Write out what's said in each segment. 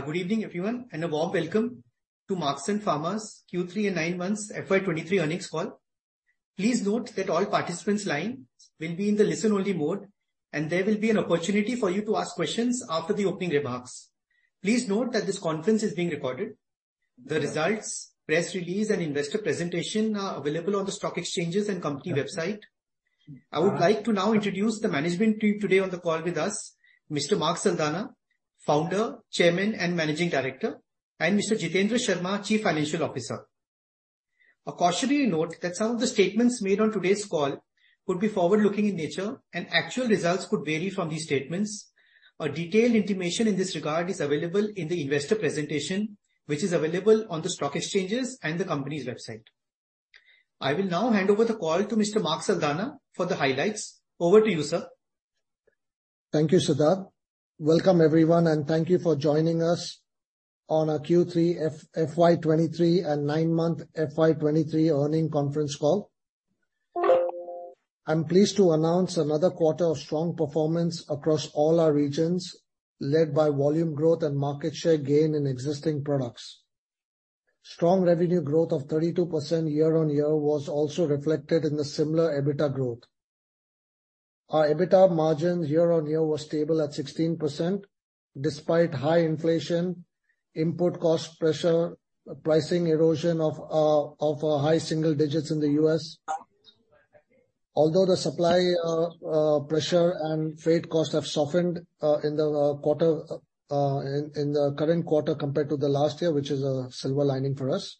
Good evening, everyone, and a warm welcome to Marksans Pharma's Q3 and 9 months FY23 earnings call. Please note that all participants line will be in the listen-only mode, and there will be an opportunity for you to ask questions after the opening remarks. Please note that this conference is being recorded. The results, press release, and investor presentation are available on the stock exchanges and company website. I would like to now introduce the management to you today on the call with us, Mr. Mark Saldanha, Founder, Chairman and Managing Director, and Mr. Jitendra Sharma, Chief Financial Officer. A cautionary note that some of the statements made on today's call could be forward-looking in nature, and actual results could vary from these statements. A detailed intimation in this regard is available in the investor presentation, which is available on the stock exchanges and the company's website. I will now hand over the call to Mr. Mark Saldanha for the highlights. Over to you, sir. Thank you, Siddharth. Welcome, everyone, and thank you for joining us on our Q3 FY23 and 9-month FY23 earnings conference call. I'm pleased to announce another quarter of strong performance across all our regions, led by volume growth and market share gain in existing products. Strong revenue growth of 32% year-on-year was also reflected in the similar EBITDA growth. Our EBITDA margin year-on-year was stable at 16% despite high inflation, input cost pressure, pricing erosion of high single digits in the U.S. The supply pressure and freight costs have softened in the current quarter compared to the last year, which is a silver lining for us.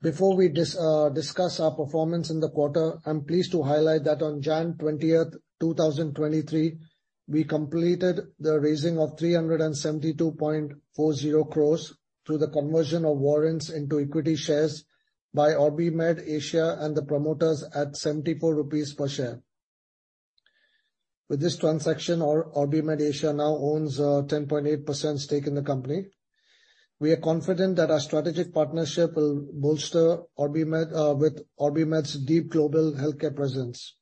Before we discuss our performance in the quarter, I'm pleased to highlight that on January 20, 2023, we completed the raising of 372.40 crores through the conversion of warrants into equity shares by OrbiMed Asia and the promoters at 74 rupees per share. With this transaction, OrbiMed Asia now owns 10.8% stake in the company. We are confident that our strategic partnership will bolster OrbiMed with OrbiMed's deep global healthcare presence.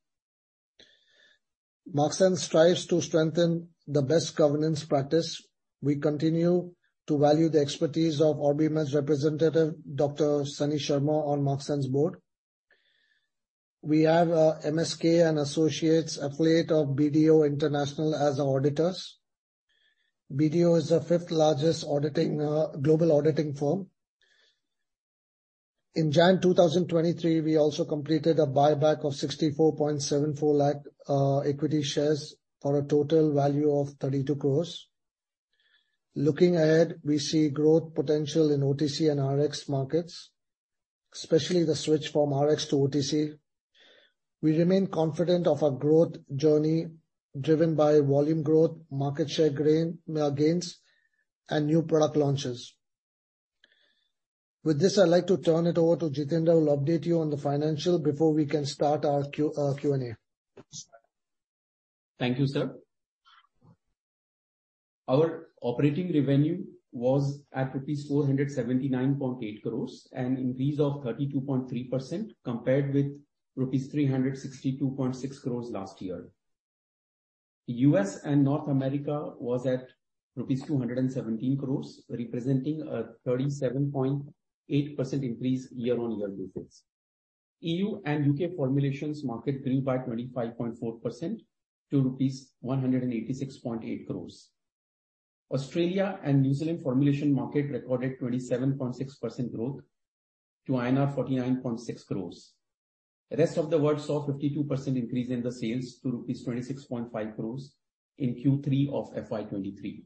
Marksans strives to strengthen the best governance practice. We continue to value the expertise of OrbiMed's representative, Dr. Sunny Sharma, on Marksans' board. We have MSKA & Associates, affiliate of BDO International, as our auditors. BDO is the fifth-largest global auditing firm. In January 2023, we also completed a buyback of 64.74 lakh equity shares for a total value of 32 crores. Looking ahead, we see growth potential in OTC and RX markets, especially the switch from RX to OTC. We remain confident of our growth journey driven by volume growth, market share gains, and new product launches. With this, I'd like to turn it over to Jitendra, who will update you on the financial before we can start our Q&A. Thank you, sir. Our operating revenue was at rupees 479.8 crores, an increase of 32.3% compared with rupees 362.6 crores last year. US and North America was at rupees 217 crores, representing a 37.8% increase year-on-year basis. EU and UK formulations market grew by 25.4% to rupees 186.8 crores. Australia and New Zealand formulation market recorded 27.6% growth to INR 49.6 crores. The rest of the world saw 52% increase in the sales to rupees 26.5 crores in Q3 of FY23.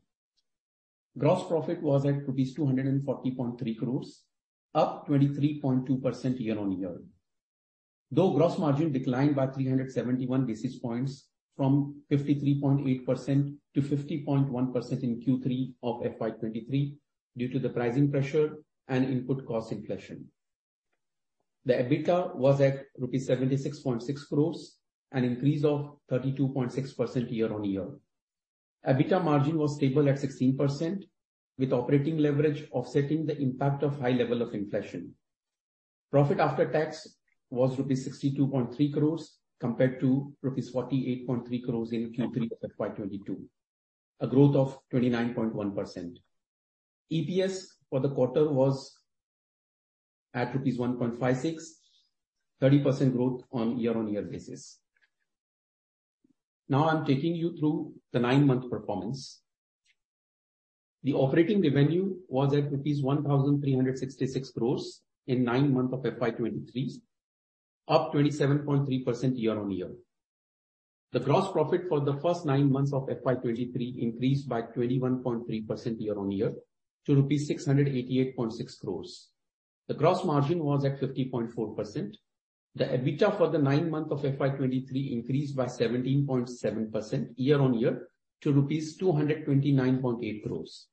Gross profit was at rupees 240.3 crores, up 23.2% year-on-year. Gross margin declined by 371 basis points from 53.8% to 50.1% in Q3 of FY23 due to the pricing pressure and input cost inflation. The EBITDA was at 76.6 crores rupees, an increase of 32.6% year-on-year. EBITDA margin was stable at 16%, with operating leverage offsetting the impact of high level of inflation. Profit after tax was rupees 62.3 crores compared to rupees 48.3 crores in Q3 of FY22, a growth of 29.1%. EPS for the quarter was at rupees 1.56, 30% growth on year-on-year basis. I'm taking you through the nine-month performance. The operating revenue was at rupees 1,366 crores in nine months of FY23, up 27.3% year-on-year. The gross profit for the first nine months of FY23 increased by 21.3% year-on-year to rupees 688.6 crores. The gross margin was at 50.4%. The EBITDA for the nine months of FY23 increased by 17.7% year-on-year to rupees 229.8 crores.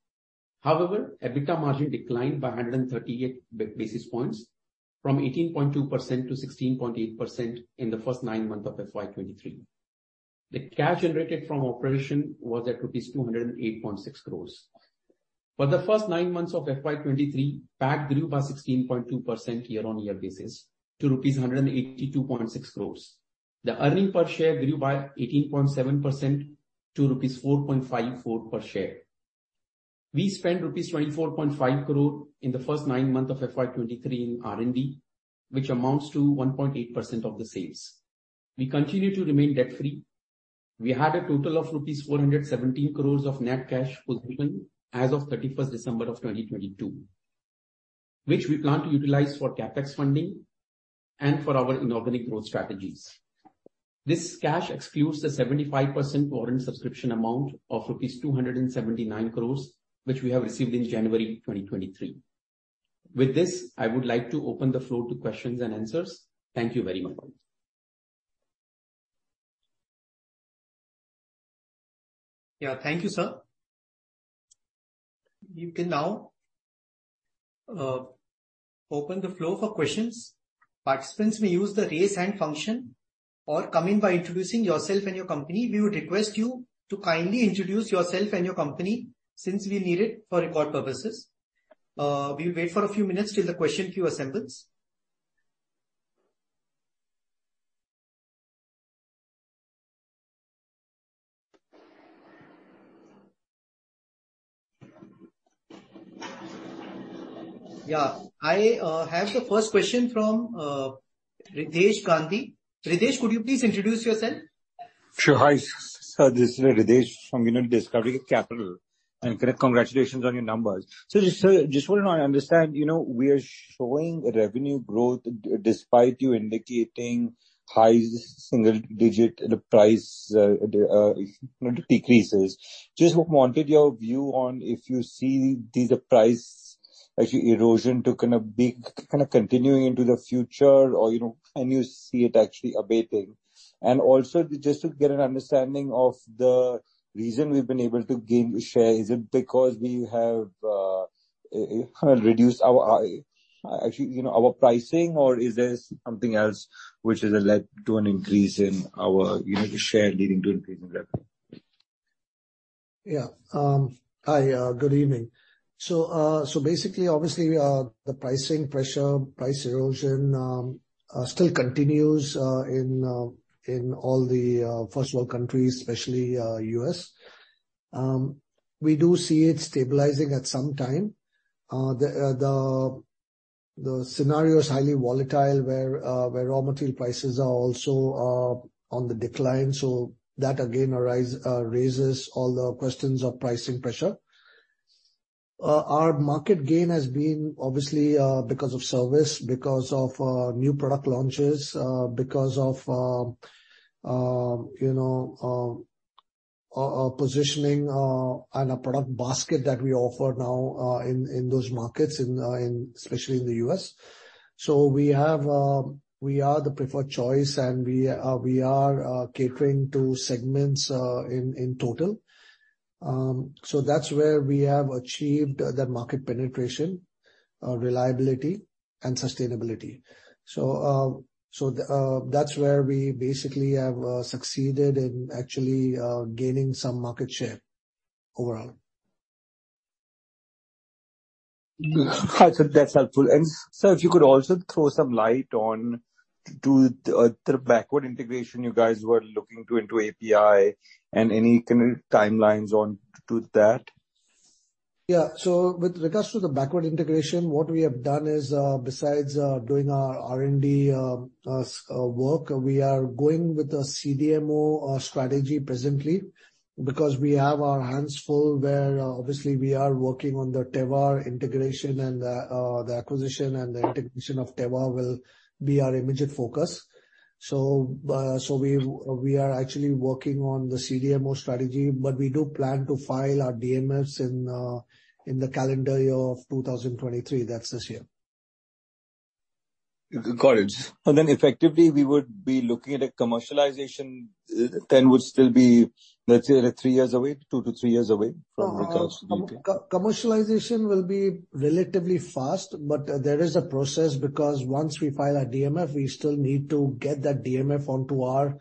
However, EBITDA margin declined by 138 basis points from 18.2% to 16.8% in the first nine months of FY23. The cash generated from operation was at rupees 208.6 crores. For the first nine months of FY23, PAT grew by 16.2% year-on-year basis to rupees 182.6 crores. The earning per share grew by 18.7% to rupees 4.54 per share. We spent rupees 24.5 crore in the first nine months of FY23 in R&D, which amounts to 1.8% of the sales. We continue to remain debt-free. We had a total of rupees 417 crores of net cash was open as of 31st December 2022, which we plan to utilize for CapEx funding and for our inorganic growth strategies. This cash excludes the 75% warrant subscription amount of rupees 279 crores, which we have received in January 2023. With this, I would like to open the floor to questions and answers. Thank you very much. Thank you, sir. You can now open the floor for questions. Participants may use the Raise Hand function or come in by introducing yourself and your company. We would request you to kindly introduce yourself and your company since we need it for record purposes. We'll wait for a few minutes till the question queue assembles. I have the first question from Hridesh Gandhi. Hridesh, could you please introduce yourself? Sure. Hi, sir. This is Hridesh from, you know, Discovery Capital. Congratulations on your numbers. Just wanted to understand, you know, we are showing revenue growth despite you indicating high single digit in price, you know, decreases. Just wanted your view on if you see the price actually erosion to kinda be kinda continuing into the future or, you know, when you see it actually abating. Also, just to get an understanding of the reason we've been able to gain share. Is it because we have kinda reduced our, actually, you know, our pricing, or is there something else which has led to an increase in our, you know, share leading to increase in revenue? Hi, good evening. Basically, obviously, the pricing pressure, price erosion, still continues in all the first world countries, especially U.S. We do see it stabilizing at some time. The scenario is highly volatile where raw material prices are also on the decline, so that again arise, raises all the questions of pricing pressure. Our market gain has been obviously, because of service, because of new product launches, because of, you know, positioning, and a product basket that we offer now in those markets in, especially in the U.S. We have, we are the preferred choice and we are catering to segments in total. That's where we have achieved the market penetration, reliability and sustainability. That's where we basically have succeeded in actually gaining some market share overall. That's helpful. Sir, if you could also throw some light on to, the backward integration you guys were looking to into API and any kind of timelines on to that? Yeah. With regards to the backward integration, what we have done is, besides doing our R&D work, we are going with a CDMO strategy presently because we have our hands full where obviously we are working on the Teva integration and the acquisition and the integration of Teva will be our immediate focus. We are actually working on the CDMO strategy, but we do plan to file our DMFs in the calendar year of 2023. That's this year. Got it. Effectively we would be looking at a commercialization, then would still be, let's say three years away, two to three years away. Co-commercialization will be relatively fast. There is a process because once we file our DMF, we still need to get that DMF onto our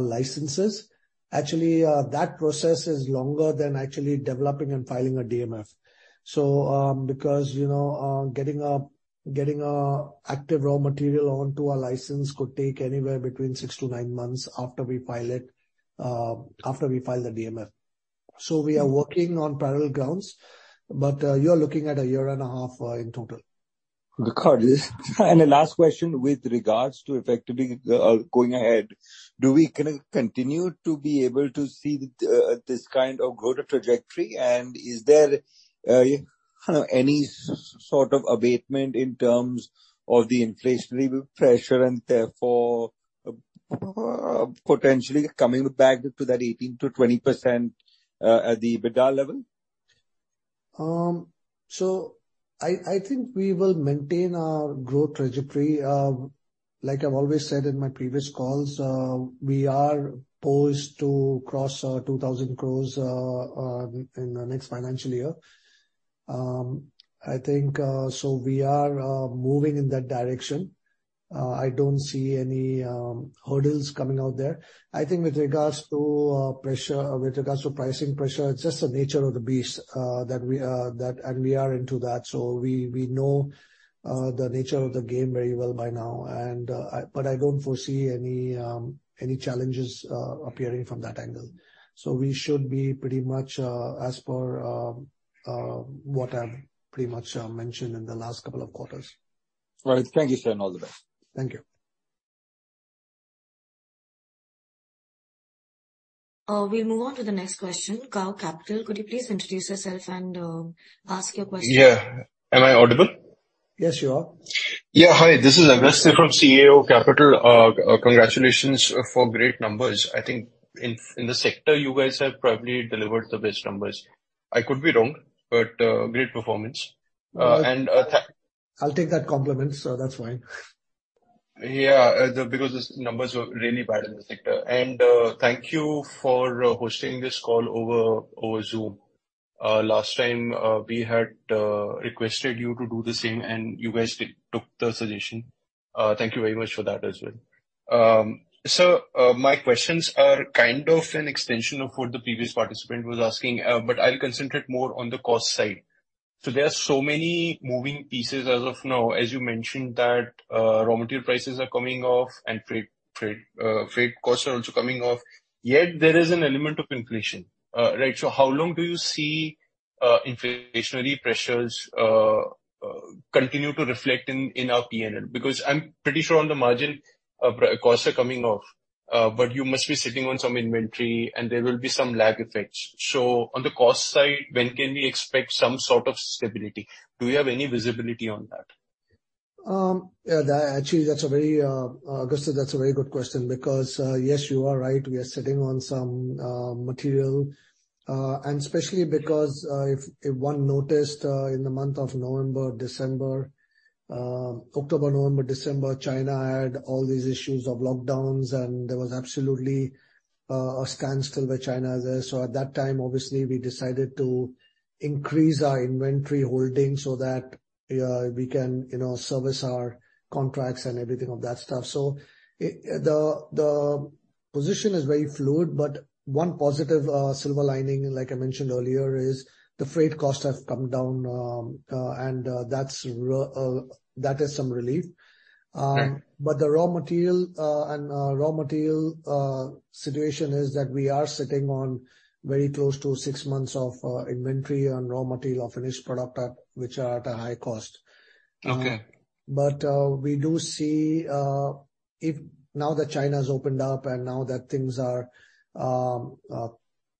licenses. Actually, that process is longer than actually developing and filing a DMF. Because, you know, getting active raw material onto a license could take anywhere between 6 to 9 months after we file it, after we file the DMF. We are working on parallel grounds, but you're looking at a year and a half in total. Got it. The last question with regards to effectively, going ahead, do we kinda continue to be able to see this kind of growth trajectory? Is there any sort of abatement in terms of the inflationary pressure and therefore potentially coming back to that 18%-20% at the EBITDA level? I think we will maintain our growth trajectory. Like I've always said in my previous calls, we are poised to cross 2,000 crores in the next financial year. I think so we are moving in that direction. I don't see any hurdles coming out there. I think with regards to pricing pressure, it's just the nature of the beast that, and we are into that. We, we know the nature of the game very well by now and I don't foresee any challenges appearing from that angle. We should be pretty much as per what I've pretty much mentioned in the last couple of quarters. Right. Thank you, sir, and all the best. Thank you. We move on to the next question. Cao Capital, could you please introduce yourself and ask your question? Yeah. Am I audible? Yes, you are. Yeah. Hi, this is Agastya from CAO Capital. Congratulations for great numbers. I think in the sector you guys have probably delivered the best numbers. I could be wrong, but, great performance. I'll take that compliment, sir. That's fine. Yeah, because the numbers were really bad in the sector. Thank you for hosting this call over Zoom. Last time, we had requested you to do the same and you guys took the suggestion. Thank you very much for that as well. My questions are kind of an extension of what the previous participant was asking, but I'll concentrate more on the cost side. There are so many moving pieces as of now. As you mentioned, that raw material prices are coming off and freight costs are also coming off. Yet there is an element of inflation. Right. How long do you see inflationary pressures continue to reflect in our PNL? I'm pretty sure on the margin, costs are coming off, but you must be sitting on some inventory, and there will be some lag effects. On the cost side, when can we expect some sort of stability? Do you have any visibility on that? Yeah, that actually, that's a very Agastya, that's a very good question because yes, you are right. We are sitting on some material and especially because if one noticed in the month of November, December, October, November, December, China had all these issues of lockdowns, and there was absolutely a standstill by China there. At that time, obviously, we decided to increase our inventory holdings so that we can, you know, service our contracts and everything of that stuff. The position is very fluid, but one positive silver lining, like I mentioned earlier, is the freight costs have come down, and that's that is some relief. Okay. The raw material situation is that we are sitting on very close to 6 months of inventory on raw material of finished product, which are at a high cost. Okay. We do see, if now that China's opened up and now that things are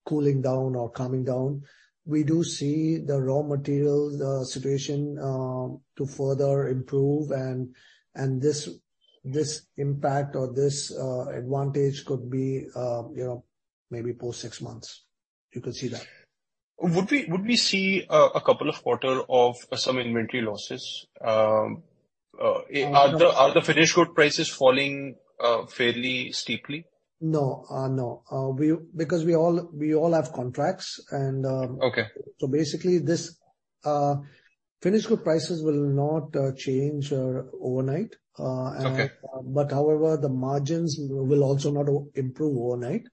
cooling down or calming down, we do see the raw material situation to further improve. This impact or this advantage could be, you know, maybe post-six months you could see that. Would we see a couple of quarter of some inventory losses? Are the finished good prices falling fairly steeply? No, no. because we all have contracts. Okay. Basically this, finished good prices will not, change, overnight. Okay. However, the margins will also not improve overnight.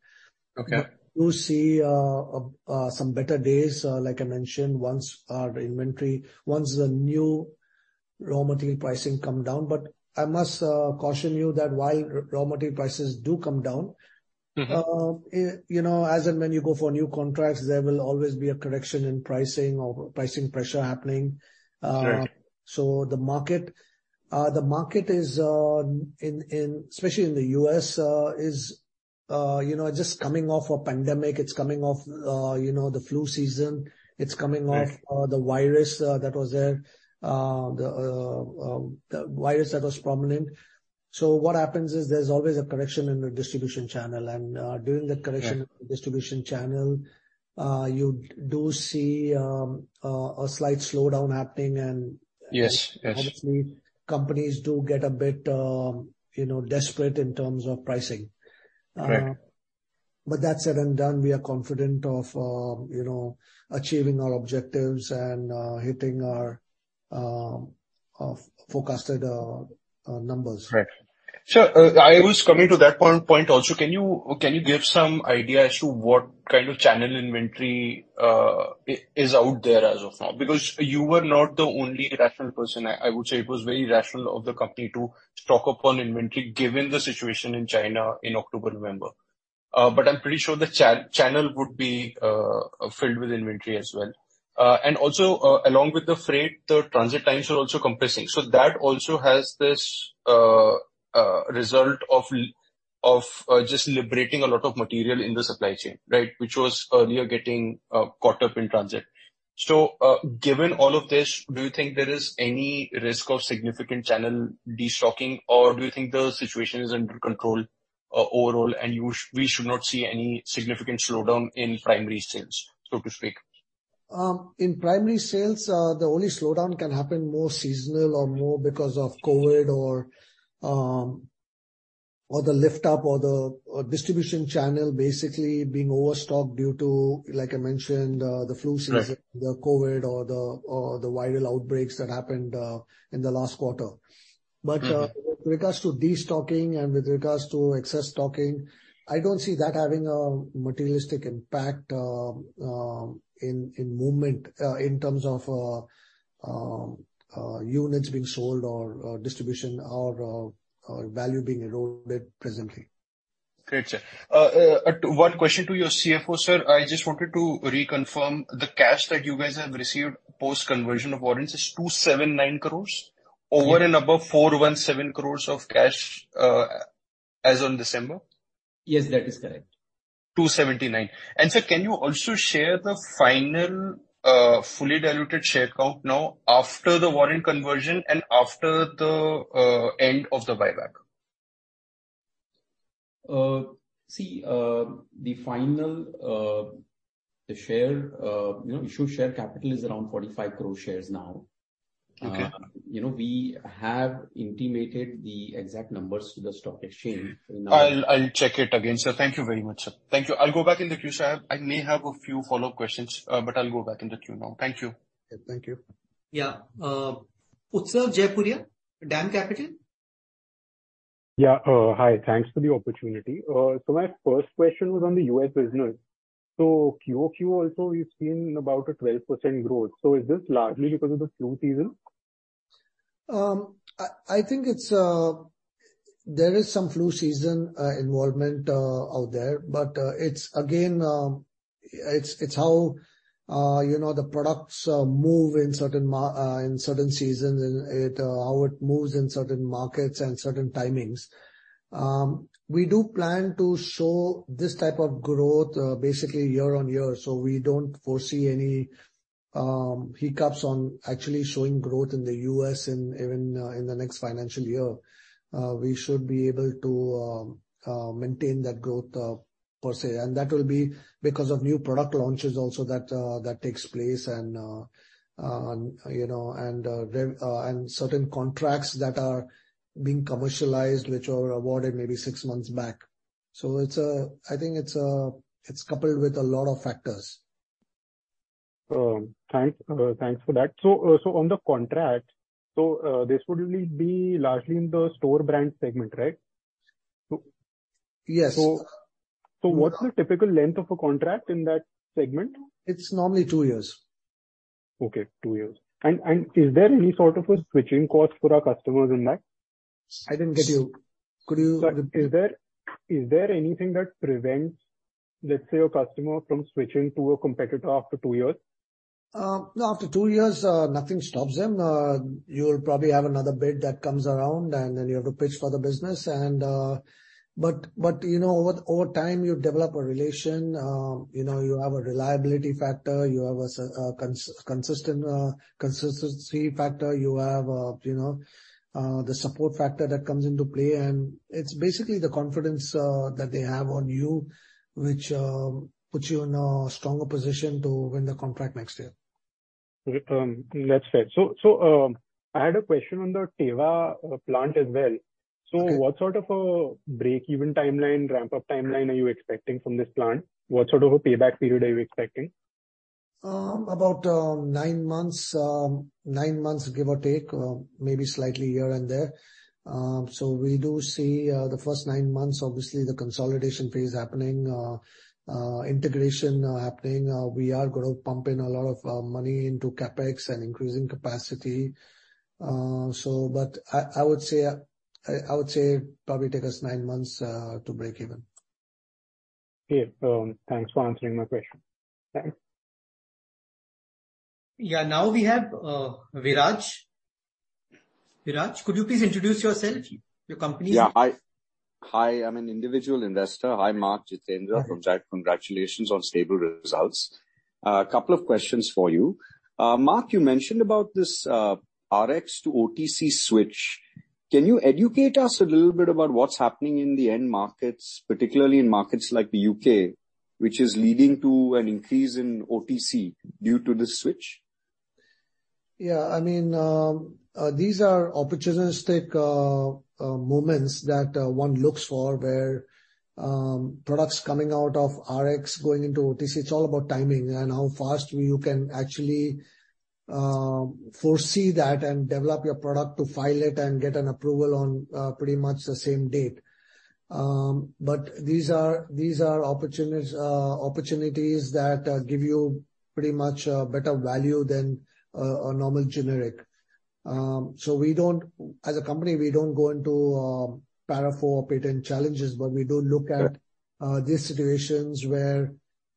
Okay. We'll see some better days, like I mentioned, once our inventory, once the new raw material pricing come down. I must caution you that while raw material prices do come down. Mm-hmm. You know, as and when you go for new contracts, there will always be a correction in pricing or pricing pressure happening. Right. The market is in, especially in the U.S., is, you know, just coming off a pandemic. It's coming off, you know, the flu season. Right. It's coming off the virus that was there. The virus that was prominent. What happens is there's always a correction in the distribution channel. During that correction. Right. In the distribution channel, you do see a slight slowdown happening. Yes. Yes. obviously companies do get a bit, you know, desperate in terms of pricing. Right. That said and done, we are confident of, you know, achieving our objectives and hitting our forecasted numbers. Right. I was coming to that point also. Can you give some idea as to what kind of channel inventory is out there as of now? Because you were not the only rational person. I would say it was very rational of the company to stock up on inventory given the situation in China in October, November. But I'm pretty sure the channel would be filled with inventory as well. And also, along with the freight, the transit times were also compressing. That also has this result of just liberating a lot of material in the supply chain, right, which was earlier getting caught up in transit. Given all of this, do you think there is any risk of significant channel de-stocking, or do you think the situation is under control, overall, and we should not see any significant slowdown in primary sales, so to speak? In primary sales, the only slowdown can happen more seasonal or more because of COVID or the lift up or the distribution channel basically being overstocked due to, like I mentioned, the flu season. Right. the COVID or the viral outbreaks that happened in the last quarter. Mm-hmm. With regards to destocking and with regards to excess stocking, I don't see that having a materialistic impact, in movement, in terms of units being sold or distribution or value being eroded presently. Great, sir. 1 question to your CFO, sir. I just wanted to reconfirm the cash that you guys have received post conversion of warrants is 279 crores. Yes. Over and above 417 crores of cash, as on December. Yes, that is correct. 279. Sir, can you also share the final, fully diluted share count now after the warrant conversion and after the end of the buyback? See, the final, the share, you know, issue share capital is around 45 crore shares now. Okay. You know, we have intimated the exact numbers to the stock exchange. I'll check it again, sir. Thank you very much, sir. Thank you. I'll go back in the queue, sir. I may have a few follow-up questions. I'll go back in the queue now. Thank you. Thank you. Yeah. Utsav Jaipuria, DAM Capital. Hi. Thanks for the opportunity. My first question was on the U.S. business. QOQ also you've seen about a 12% growth. Is this largely because of the flu season? Um, I, I think it's, uh, there is some flu season, uh, involvement, uh, out there, but, uh, it's again, um, it's, it's how, uh, you know, the products, uh, move in certain mar... uh, in certain seasons and it, uh, how it moves in certain markets and certain timings. Um, we do plan to show this type of growth, uh, basically year on year, so we don't foresee any, um, hiccups on actually showing growth in the US in, even in the next financial year. Uh, we should be able to, um, uh, maintain that growth, uh, per se. And that will be because of new product launches also that, uh, that takes place and, uh, uh, you know, and, uh, then, uh, and certain contracts that are being commercialized which were awarded maybe six months back. So it's a... I think it's coupled with a lot of factors. Thanks, thanks for that. On the contract, this would really be largely in the store brand segment, right? Yes. what's the typical length of a contract in that segment? It's normally two years. Okay, two years. Is there any sort of a switching cost for our customers in that? I didn't get you. Is there anything that prevents, let's say, a customer from switching to a competitor after 2 years? After 2 years, nothing stops them. You'll probably have another bid that comes around, and then you have to pitch for the business and. You know, over time, you develop a relation, you know, you have a reliability factor, you have a consistent consistency factor. You have, you know, the support factor that comes into play. It's basically the confidence that they have on you which puts you in a stronger position to win the contract next year. That's fair. I had a question on the Teva plant as well. Okay. What sort of a break-even timeline, ramp-up timeline are you expecting from this plant? What sort of a payback period are you expecting? About nine months, give or take, maybe slightly here and there. We do see the first nine months, obviously the consolidation phase happening, integration happening. We are gonna pump in a lot of money into CapEx and increasing capacity. I would say it'll probably take us nine months to break even. Okay. Thanks for answering my question. Thanks. Now we have Viraj. Viraj, could you please introduce yourself, your company? Yeah. Hi. Hi, I'm an individual investor. Hi, Mark, Jitendra. Congratulations on stable results. A couple of questions for you. Mark, you mentioned about this Rx-to-OTC switch. Can you educate us a little bit about what's happening in the end markets, particularly in markets like the U.K., which is leading to an increase in OTC due to the switch? Yeah. I mean, these are opportunistic moments that one looks for where products coming out of RX going into OTC. It's all about timing and how fast you can actually foresee that and develop your product to file it and get an approval on pretty much the same date. These are opportunist opportunities that give you pretty much better value than a normal generic. As a company, we don't go into Para IV patent challenges, we do look at these situations where,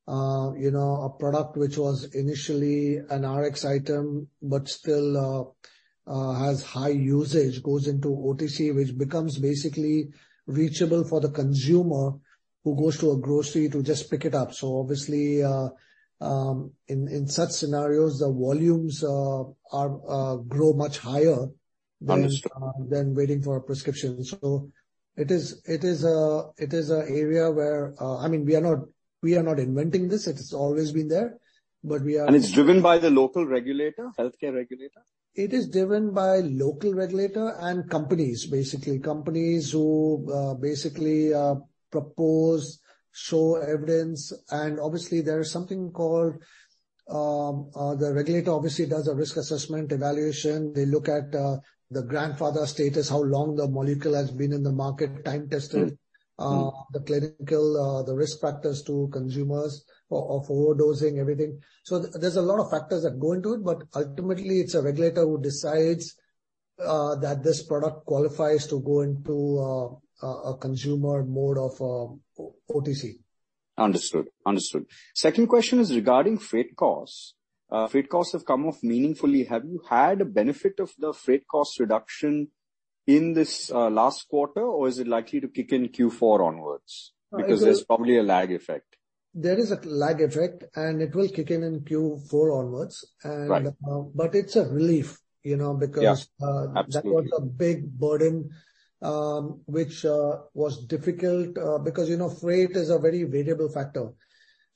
you know, a product which was initially an RX item but still has high usage goes into OTC, which becomes basically reachable for the consumer who goes to a grocery to just pick it up. Obviously, in such scenarios, the volumes grow much higher than. Understood. than waiting for a prescription. It is a area where, I mean, we are not inventing this. It has always been there, we are. it's driven by the local regulator, healthcare regulator? It is driven by local regulator and companies, basically. Companies who basically propose, show evidence, and obviously there is something called the regulator obviously does a risk assessment evaluation. They look at the grandfather status, how long the molecule has been in the market, time tested. Mm-hmm. the clinical, the risk factors to consumers of overdosing, everything. There's a lot of factors that go into it, but ultimately it's a regulator who decides that this product qualifies to go into, a consumer mode of, OTC. Understood. Understood. Second question is regarding freight costs. Freight costs have come off meaningfully. Have you had a benefit of the freight cost reduction in this last quarter, or is it likely to kick in Q4 onwards? Uh, there- There's probably a lag effect. There is a lag effect, it will kick in in Q4 onwards. Right. It's a relief, you know, because. Yeah. Absolutely. that was a big burden, which was difficult, because, you know, freight is a very variable factor,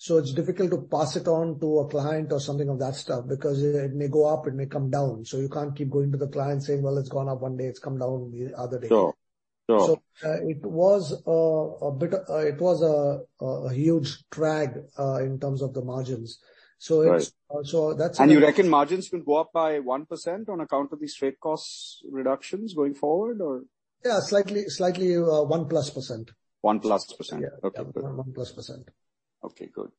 so it's difficult to pass it on to a client or something of that stuff because it may go up, it may come down, so you can't keep going to the client saying, "Well, it's gone up one day, it's come down the other day. No. No. It was a huge drag in terms of the margins. Right. that's- You reckon margins will go up by 1% on account of these freight costs reductions going forward or? Yeah, slightly, 1%+. 1%+. Yeah. Okay. 1%+. Okay, good.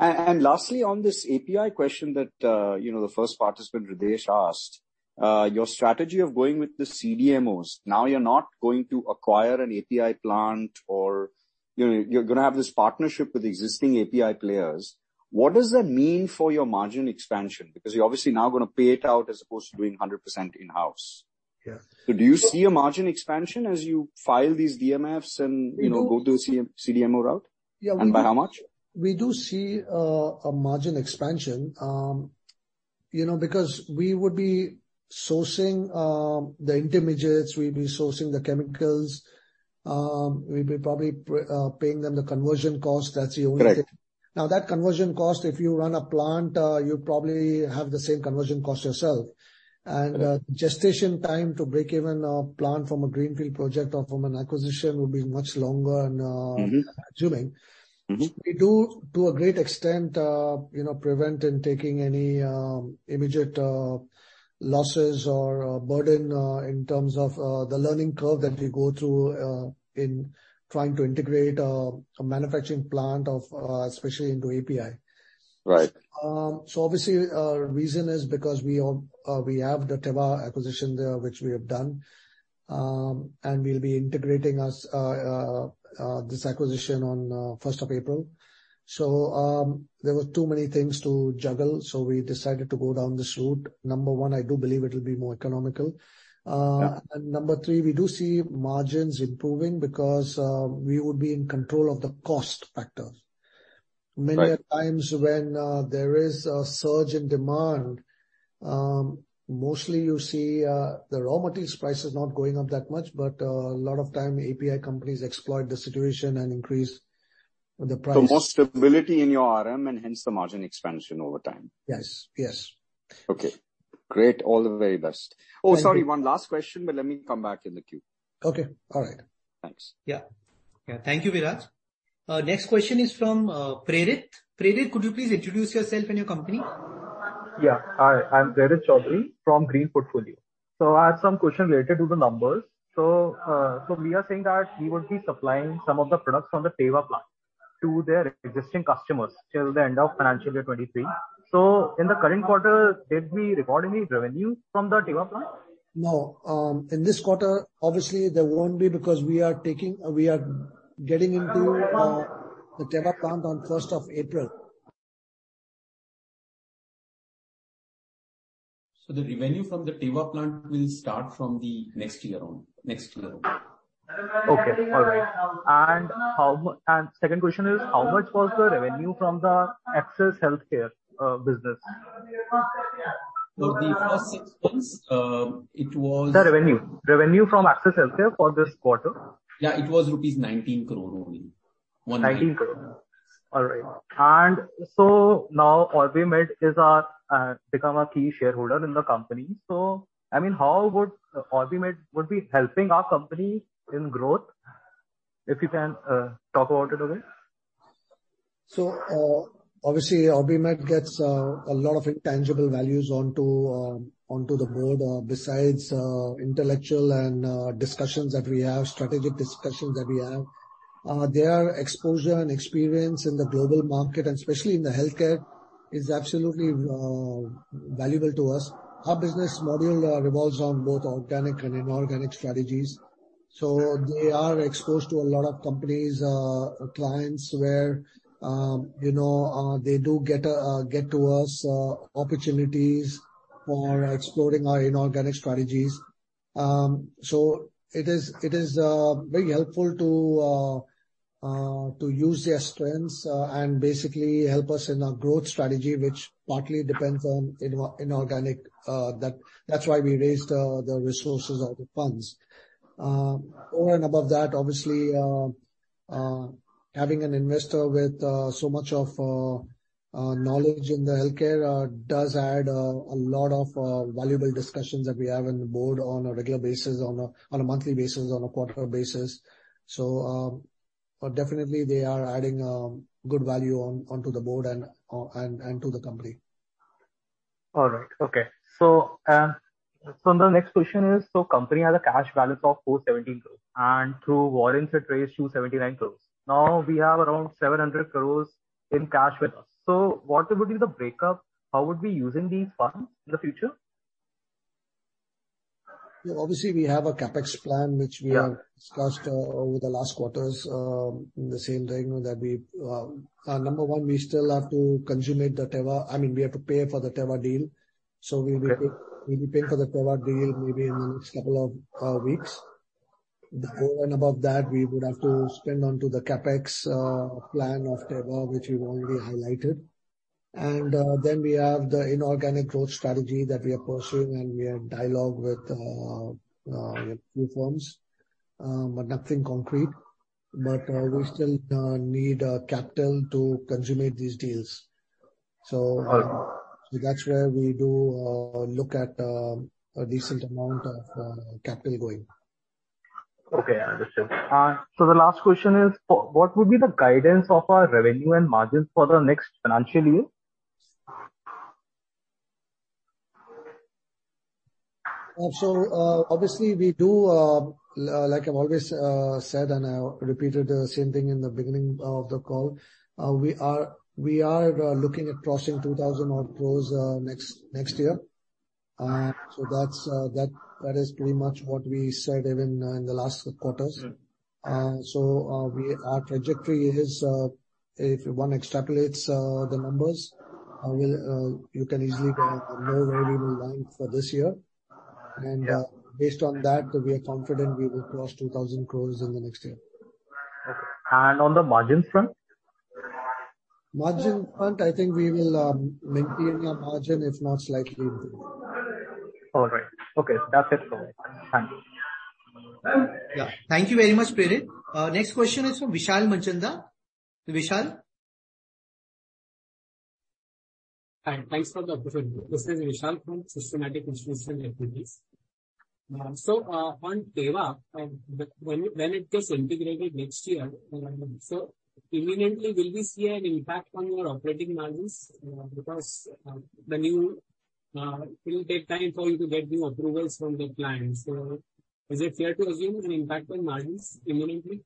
And lastly, on this API question that, you know, the first participant, Hridesh, asked, your strategy of going with the CDMOs, now you're not going to acquire an API plant or, you know, you're gonna have this partnership with existing API players. What does that mean for your margin expansion? You're obviously now gonna pay it out as opposed to doing a 100% in-house. Yeah. Do you see a margin expansion as you file these DMFs and, you know? We do- go the CM-CDMO route? Yeah. By how much? We do see a margin expansion, you know, because we would be sourcing the intermediates. We'd be sourcing the chemicals. We'd be probably paying them the conversion cost. That's the only thing. Right. That conversion cost, if you run a plant, you'd probably have the same conversion cost yourself. Right. Gestation time to break even a plant from a greenfield project or from an acquisition would be much longer. Mm-hmm. I'm assuming. Mm-hmm. We do to a great extent, you know, prevent in taking any immediate losses or burden in terms of the learning curve that we go through in trying to integrate a manufacturing plant of especially into API. Right. Obviously our reason is because we all, we have the Teva acquisition there, which we have done, and we'll be integrating as this acquisition on 1st of April. There were too many things to juggle, so we decided to go down this route. Number one, I do believe it'll be more economical. Yeah. Number 3, we do see margins improving because we would be in control of the cost factor. Right. Many a times when there is a surge in demand, mostly you see the raw materials prices not going up that much, but a lot of time API companies exploit the situation and increase the price. More stability in your RM and hence the margin expansion over time. Yes. Yes. Okay. Great. All the very best. Thank you. Oh, sorry, one last question, but let me come back in the queue. Okay. All right. Thanks. Yeah. Thank you, Viraj. Next question is from Prerit. Prerit, could you please introduce yourself and your company? Yeah. Hi, I'm Prerit Choudhary from Green Portfolio. I have some questions related to the numbers. We are saying that we would be supplying some of the products from the Teva plant to their existing customers till the end of financial year 2023. In the current quarter, did we record any revenue from the Teva plant? No. In this quarter, obviously there won't be because We are getting into the Teva plant on first of April. The revenue from the Teva plant will start from the next year. Okay. All right. Second question is, how much was the revenue from the Access Healthcare business? For the first 6 months. The revenue. Revenue from Access Healthcare for this quarter. Yeah, it was rupees 19 crore only. 19 crore. All right. Now OrbiMed is our become a key shareholder in the company. I mean, how would OrbiMed be helping our company in growth? If you can talk about it a bit. Obviously OrbiMed gets a lot of intangible values onto onto the board, besides intellectual and discussions that we have, strategic discussions that we have. Their exposure and experience in the global market, and especially in the healthcare, is absolutely valuable to us. Our business module revolves on both organic and inorganic strategies, so they are exposed to a lot of companies, clients where, you know, they do get to us opportunities for exploring our inorganic strategies. It is, it is, very helpful to use their strengths, and basically help us in our growth strategy, which partly depends on inorganic, that's why we raised the resources or the funds. Over and above that, obviously, having an investor with so much of knowledge in the healthcare does add a lot of valuable discussions that we have in the board on a regular basis, on a monthly basis, on a quarterly basis. Definitely they are adding good value onto the board and to the company. All right. Okay. My next question is, company has a cash balance of 470 crores, and through warrants it raised 279 crores. Now we have around 700 crores in cash with us. What would be the breakup? How would we using these funds in the future? Yeah, obviously we have a CapEx plan. Yeah. which we have discussed, over the last quarters, in the same line that we, number 1, we still have to consummate the Teva-- I mean we have to pay for the Teva deal. Okay. We'll be paying for the Teva deal maybe in the next couple of weeks. Okay. Over and above that, we would have to spend onto the CapEx plan of Teva, which we've already highlighted. Then we have the inorganic growth strategy that we are pursuing, and we are in dialogue with a few firms. Nothing concrete. We still need capital to consummate these deals. Right. That's where we do look at a decent amount of capital going. Okay, understood. The last question is, what would be the guidance of our revenue and margins for the next financial year? Obviously we do, like I've always said and I repeated the same thing in the beginning of the call. We are looking at crossing 2,000 odd crores next year. That is pretty much what we said even in the last quarters. Mm-hmm. Our trajectory is, if one extrapolates the numbers, we'll you can easily know where we will rank for this year. Yeah. Based on that, we are confident we will cross 2,000 crores in the next year. Okay. On the margins front? Margins front, I think we will maintain our margin, if not slightly improve. All right. Okay. That's it for me. Thank you. Yeah. Thank you very much, Prerit. Next question is from Vishal Manchanda. Vishal? Hi. Thanks for the opportunity. This is Vishal from Systematix Institutional Equities. On Teva, when it gets integrated next year, imminently will we see an impact on your operating margins, because the new, it will take time for you to get the approvals from the clients. Is it fair to assume an impact on margins imminently?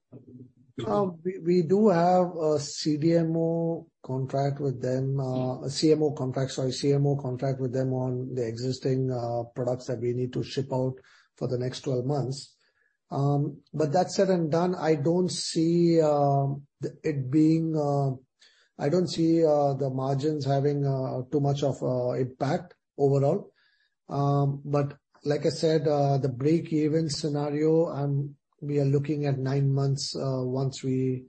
We do have a CDMO contract with them, a CMO contract, sorry, CMO contract with them on the existing products that we need to ship out for the next 12 months. That said and done, I don't see it being, I don't see the margins having too much of a impact overall. Like I said, the break-even scenario, we are looking at 9 months once we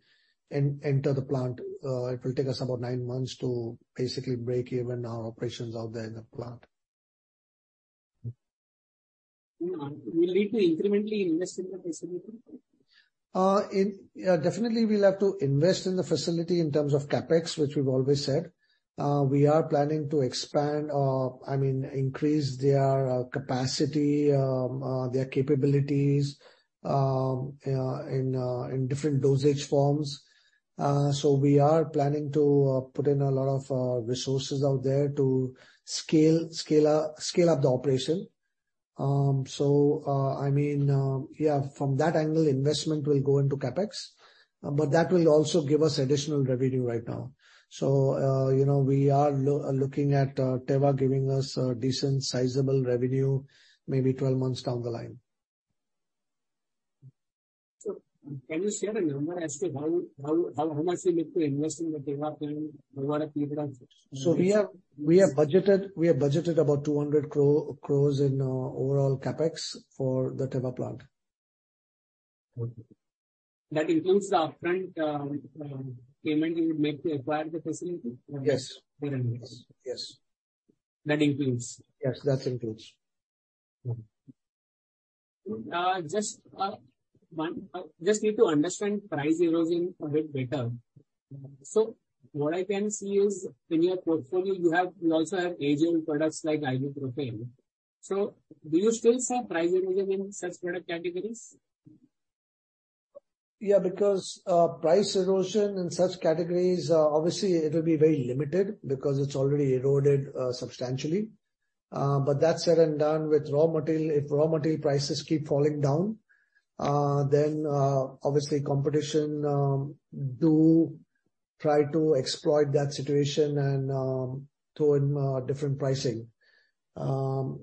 enter the plant. It will take us about 9 months to basically break even our operations out there in the plant. Mm-hmm. Will you need to incrementally invest in the facility? In, definitely we'll have to invest in the facility in terms of CapEx, which we've always said. We are planning to expand, I mean, increase their capacity, their capabilities, in different dosage forms. We are planning to put in a lot of resources out there to scale up the operation. I mean, yeah, from that angle, investment will go into CapEx. That will also give us additional revenue right now. You know, we are looking at Teva giving us decent sizable revenue maybe 12 months down the line. Can you share a number as to how much you need to invest in the Teva plant for whatever period of time? We have budgeted about 200 crore in overall CapEx for the Teva plant. That includes the upfront payment you would make to acquire the facility? Yes. In rupees. Yes. That includes? Yes, that includes. Okay. just one just need to understand price erosion a bit better. What I can see is in your portfolio you have, you also have aging products like Ibuprofen. Do you still see price erosion in such product categories? Because price erosion in such categories, obviously it'll be very limited because it's already eroded substantially. That said and done, with raw material, if raw material prices keep falling down, then obviously competition do try to exploit that situation and throw in different pricing. From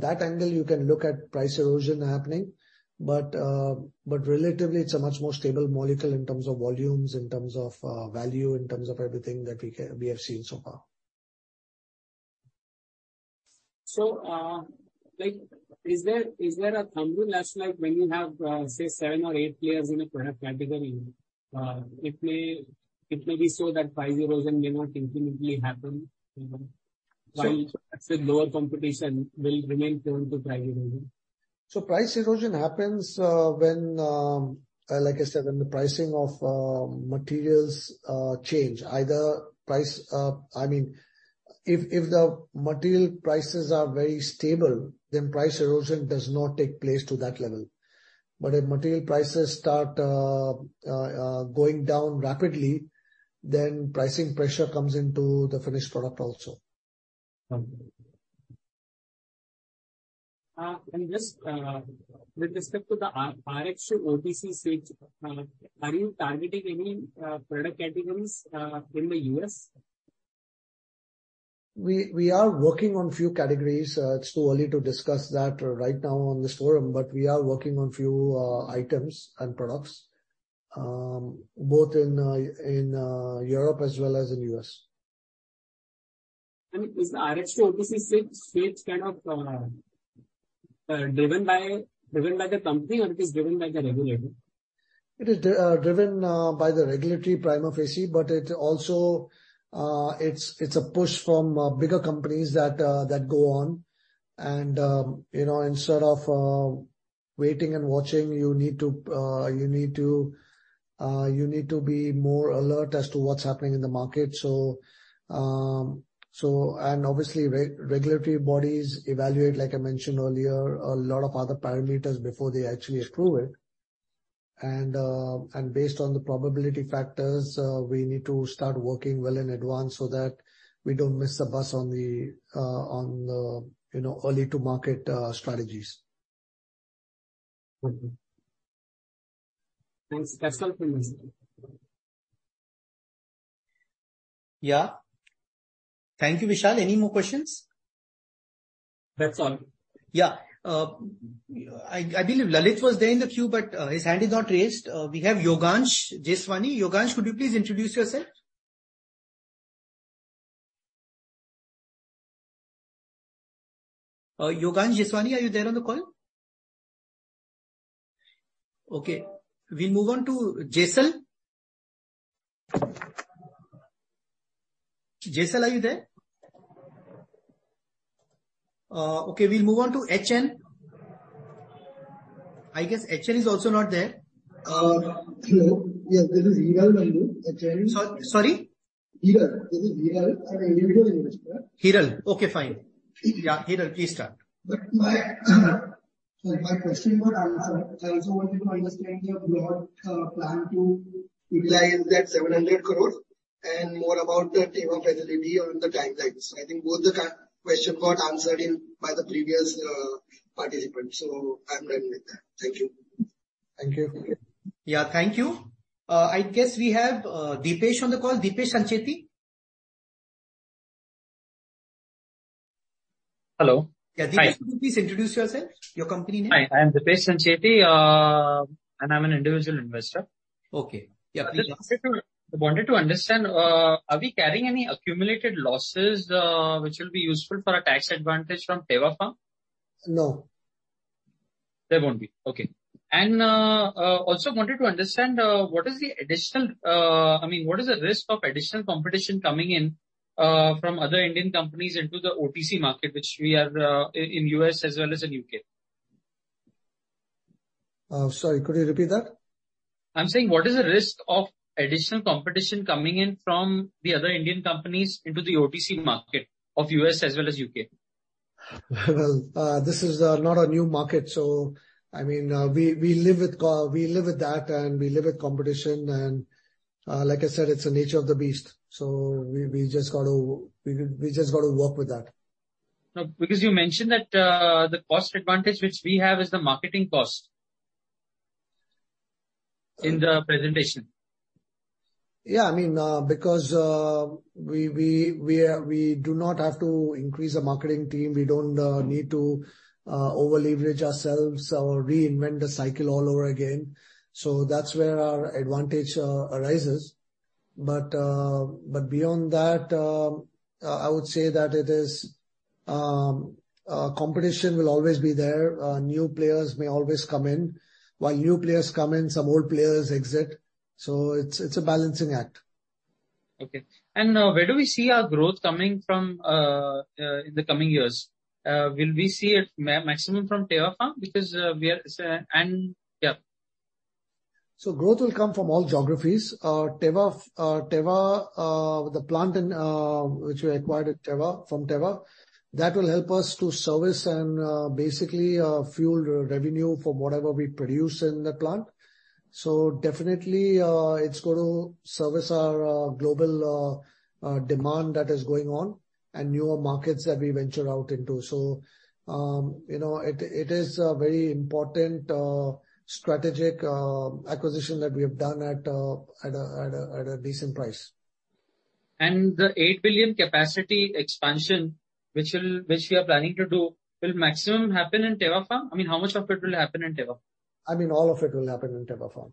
that angle you can look at price erosion happening. Relatively it's a much more stable molecule in terms of volumes, in terms of value, in terms of everything that we have seen so far. Like, is there a thumb rule that's like when you have, say seven or eight players in a product category, it may be so that price erosion may not infinitely happen, you know? The lower competition will remain prone to pricing erosion. Price erosion happens, when, like I said, when the pricing of, materials, change. I mean, if the material prices are very stable, then price erosion does not take place to that level. If material prices start, going down rapidly, then pricing pressure comes into the finished product also. Okay. Just with respect to the Rx-to-OTC switch, are you targeting any product categories in the U.S.? We are working on few categories. It's too early to discuss that right now on this forum, but we are working on few items and products both in Europe as well as in U.S. Is the Rx-to-OTC switch kind of, driven by the company or it is driven by the regulator? It is driven by the regulatory prima facie, it also it's a push from bigger companies that go on. You know, instead of waiting and watching, you need to be more alert as to what's happening in the market. Obviously regulatory bodies evaluate, like I mentioned earlier, a lot of other parameters before they actually approve it. Based on the probability factors, we need to start working well in advance so that we don't miss the bus on the, you know, early to market strategies. Thanks. That's all from my side. Yeah. Thank you, Vishal. Any more questions? That's all. Yeah. I believe Lalit was there in the queue, his hand is not raised. We have Yogansh Jeswani. Yogansh, could you please introduce yourself? Yogansh Jeswani, are you there on the call? Okay, we'll move on to Jessel. Jessel, are you there? Okay, we'll move on to HN. I guess HN is also not there. Hello. Yeah, this is Hiral speaking. Sor-sorry? Hiral. This is Hiral. I'm an individual investor. Hiral? Okay, fine. Yeah, Hiral, please start. My question got answered. I also wanted to understand your broad plan to utilize that 700 crores and more about the Teva facility and the timelines. I think both the question got answered in, by the previous participant, so I'm done with that. Thank you. Thank you. Yeah, thank you. I guess we have Deepesh on the call. Deepesh Sancheti. Hello. Yeah. Deepesh, could you please introduce yourself, your company name? Hi, I am Deepesh Sancheti. I'm an individual investor. Okay. Yeah, please ask. I just wanted to understand, are we carrying any accumulated losses, which will be useful for a tax advantage from Teva firm? No. There won't be. Okay. Also wanted to understand, I mean, what is the risk of additional competition coming in from other Indian companies into the OTC market, which we are in U.S. as well as in U.K.? sorry, could you repeat that? I'm saying, what is the risk of additional competition coming in from the other Indian companies into the OTC market of U.S. as well as U.K.? This is not a new market. I mean, we live with that and we live with competition. Like I said, it's the nature of the beast. We just gotta, we just gotta work with that. No, because you mentioned that the cost advantage which we have is the marketing cost. In the presentation. Yeah. I mean, because we do not have to increase the marketing team. We don't need to over-leverage ourselves or reinvent the cycle all over again. That's where our advantage arises. Beyond that, I would say that it is competition will always be there. New players may always come in. While new players come in, some old players exit. It's a balancing act. Okay. Where do we see our growth coming from, in the coming years? Will we see it maximum from Teva firm? We are... Yeah. Growth will come from all geographies. Teva, the plant in which we acquired at Teva, from Teva, that will help us to service and basically fuel re-revenue from whatever we produce in the plant. Definitely, it's gonna service our global demand that is going on and newer markets that we venture out into. You know, it is a very important strategic acquisition that we have done at a decent price. The 8 billion capacity expansion which we are planning to do, will maximum happen in Teva? I mean, how much of it will happen in Teva? I mean, all of it will happen in Teva firm.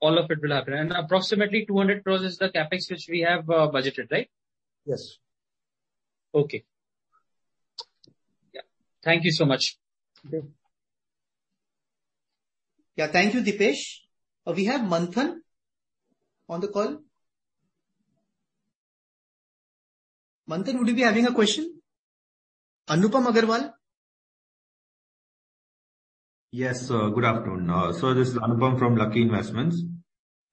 All of it will happen. Approximately 200 crores is the CapEx which we have budgeted, right? Yes. Okay. Yeah. Thank you so much. Okay. Yeah. Thank you, Deepesh. We have Manthan on the call. Manthan, would you be having a question? Anupam Agrawal? Yes, good afternoon. This is Anupam from Lucky Investments.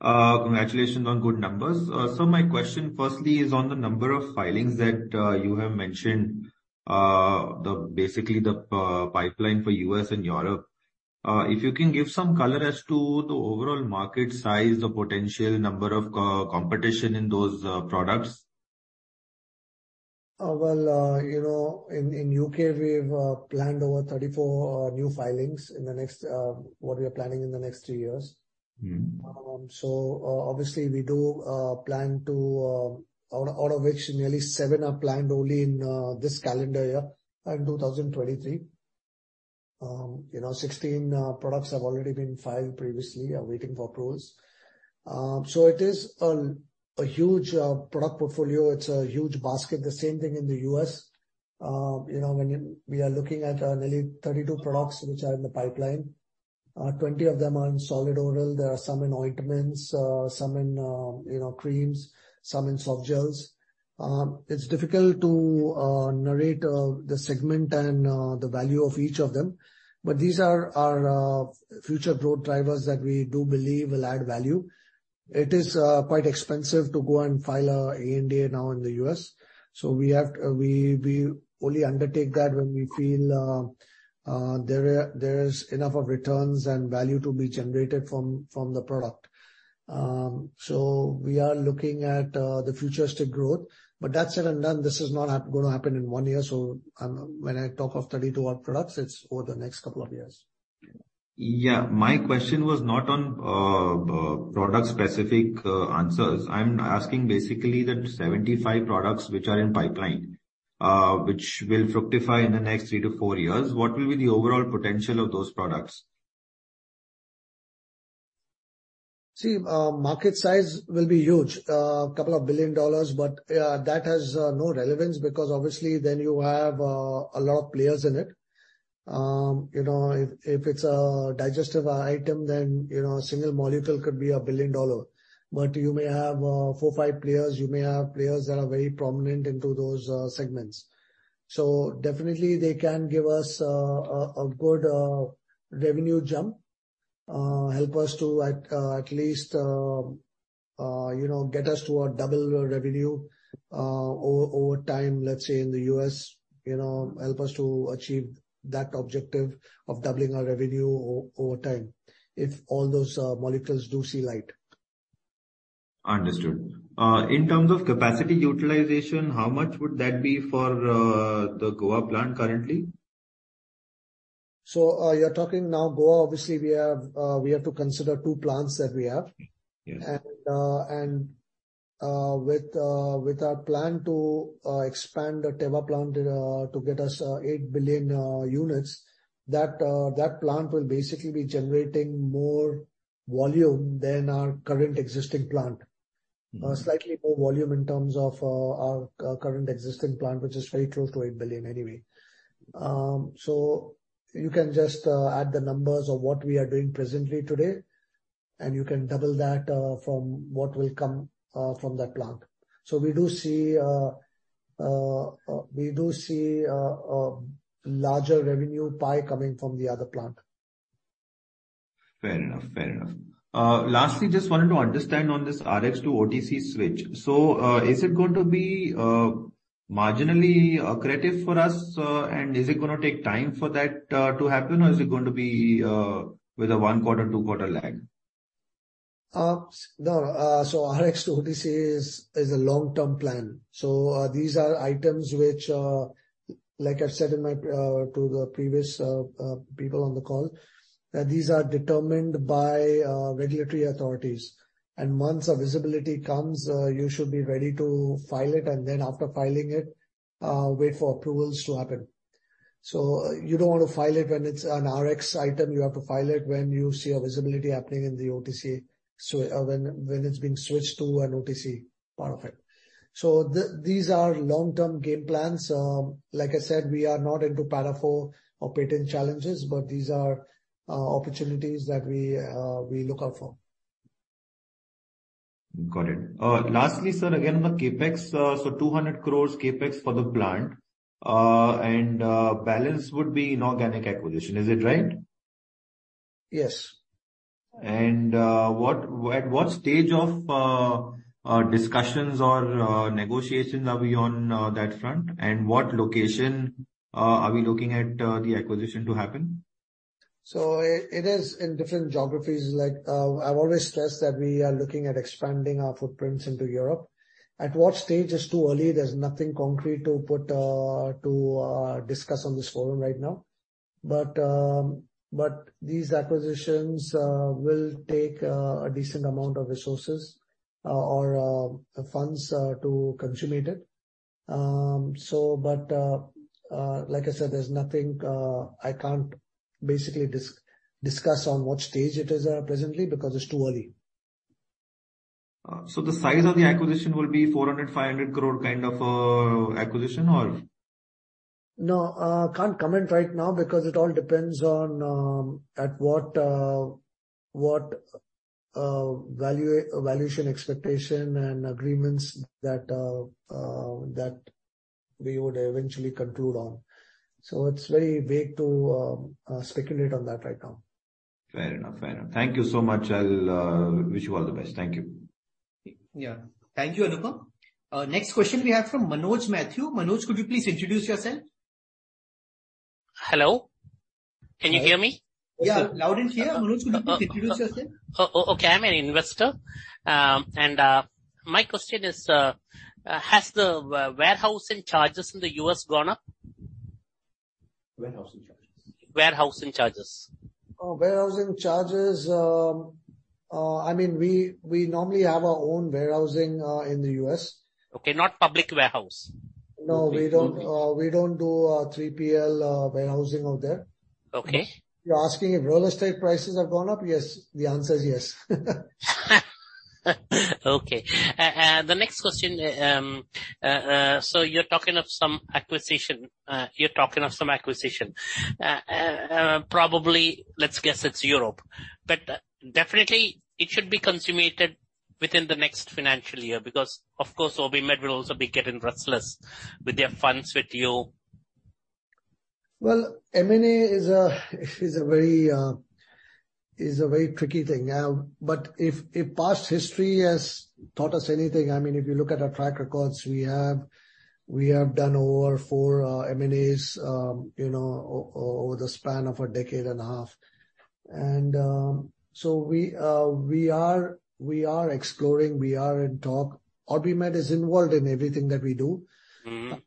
Congratulations on good numbers. My question firstly is on the number of filings that you have mentioned, basically the pipeline for U.S. and Europe. If you can give some color as to the overall market size, the potential number of co-competition in those products. Well, you know, in UK we've planned over 34 new filings in the next, what we are planning in the next 2 years. Mm-hmm. Obviously we do plan to out of which nearly 7 are planned only in this calendar year 2023. You know, 16 products have already been filed previously, are waiting for approvals. It is a huge product portfolio. It's a huge basket. The same thing in the US. You know, we are looking at nearly 32 products which are in the pipeline. 20 of them are in solid oral. There are some in ointments, some in, you know, creams, some in soft gels. It's difficult to narrate the segment and the value of each of them, but these are our future growth drivers that we do believe will add value. It is quite expensive to go and file a ANDA now in the U.S. We only undertake that when we feel there are, there's enough of returns and value to be generated from the product. We are looking at the futuristic growth. That said and done, this is not gonna happen in 1 year. When I talk of 32 products, it's over the next couple of years. My question was not on product specific answers. I'm asking basically that 75 products which are in pipeline, which will fructify in the next 3-4 years, what will be the overall potential of those products? See, market size will be huge, couple of $billion. That has no relevance because obviously then you have a lot of players in it. You know, if it's a digestive item, then, you know, a single molecule could be $1 billion. You may have four or five players. You may have players that are very prominent into those segments. Definitely they can give us a good revenue jump, help us to at least, you know, get us to a double revenue over time, let's say in the U.S. You know, help us to achieve that objective of doubling our revenue over time, if all those molecules do see light. Understood. In terms of capacity utilization, how much would that be for the Goa plant currently? You're talking now Goa, obviously we have to consider 2 plants that we have. Yes. With our plan to expand the Teva plant to get us 8 billion units, that plant will basically be generating more volume than our current existing plant. Mm-hmm. Slightly more volume in terms of our current existing plant, which is very close to 8 billion anyway. You can just add the numbers of what we are doing presently today, and you can double that from what will come from that plant. We do see larger revenue pie coming from the other plant. Fair enough. Fair enough. lastly, just wanted to understand on this Rx-to-OTC switch. Is it going to be marginally accretive for us, and is it gonna take time for that to happen, or is it going to be with a Q1, Q2 lag? No. Rx-to-OTC is a long-term plan. These are items which, like I've said in my to the previous people on the call, that these are determined by regulatory authorities. Once a visibility comes, you should be ready to file it, and then after filing it, wait for approvals to happen. You don't want to file it when it's an Rx item. You have to file it when you see a visibility happening in the OTC. When it's being switched to an OTC part of it. These are long-term game plans. Like I said, we are not into Para IV or patent challenges, but these are opportunities that we look out for. Got it. Lastly, sir, again, on the CapEx. 200 crores CapEx for the plant, and balance would be inorganic acquisition. Is it right? Yes. At what stage of discussions or negotiations are we on that front? What location are we looking at the acquisition to happen? It is in different geographies. Like, I've always stressed that we are looking at expanding our footprints into Europe. At what stage is too early. There's nothing concrete to put to discuss on this forum right now. These acquisitions will take a decent amount of resources or funds to consummate it. Like I said, there's nothing I can't basically discuss on what stage it is presently because it's too early. The size of the acquisition will be 400 crore-500 crore kind of acquisition or? Can't comment right now because it all depends on at what valuation expectation and agreements that we would eventually conclude on. It's very vague to speculate on that right now. Fair enough. Fair enough. Thank you so much. I'll wish you all the best. Thank you. Yeah. Thank you, Anupam. Next question we have from Manoj Mathew. Manoj, could you please introduce yourself? Hello. Can you hear me? Yeah. Loud and clear. Manoj, could you please introduce yourself? Okay, I'm an investor. My question is, has the warehousing charges in the U.S. gone up? Warehousing charges. Warehousing charges. Warehousing charges, I mean, we normally have our own warehousing in the U.S. Okay, not public warehouse. No, we don't, we don't do 3PL warehousing out there. Okay. You're asking if real estate prices have gone up? Yes. The answer is yes. Okay. The next question, you're talking of some acquisition. Probably, let's guess it's Europe, but definitely it should be consummated within the next financial year, because of course, OrbiMed will also be getting restless with their funds with you? Well, M&A is a very tricky thing. If past history has taught us anything, I mean, if you look at our track records, we have done over 4 M&As, you know, over the span of a decade and a half. We are exploring, we are in talk. OrbiMed is involved in everything that we do. Mm-hmm.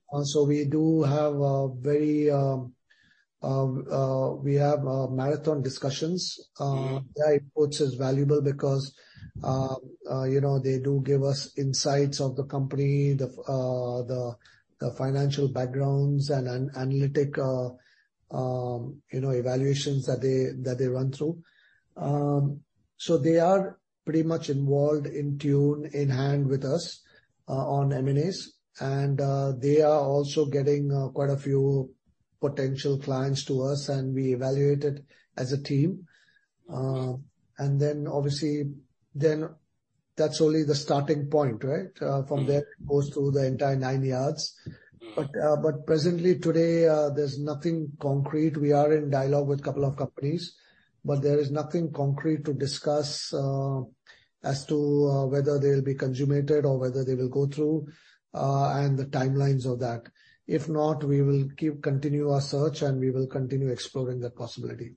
We have marathon discussions. Mm-hmm. Their input is valuable because, you know, they do give us insights of the company, the financial backgrounds and analytic, you know, evaluations that they run through. They are pretty much involved in tune, in hand with us, on M&As. They are also getting quite a few potential clients to us, and we evaluate it as a team. Then obviously then that's only the starting point, right? From there it goes through the entire nine yards. Mm-hmm. Presently today, there's nothing concrete. We are in dialogue with a couple of companies, but there is nothing concrete to discuss as to whether they'll be consummated or whether they will go through and the timelines of that. If not, we will keep continue our search and we will continue exploring that possibility.